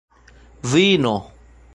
vino